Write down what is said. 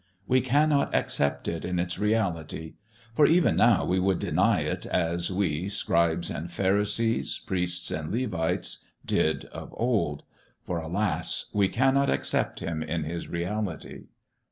We cannot accept it in its reality; for even now we would deny it as we, scribes and pharisees, priests and Levites, did of old. For, alas! we cannot accept Him in His reality.